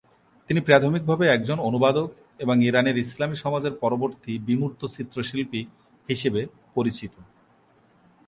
তিনি প্রাথমিকভাবে একজন অনুবাদক এবং ইরানের ইসলামী সমাজের পরবর্তী বিমূর্ত চিত্রশিল্পী হিসেবে পরিচিত।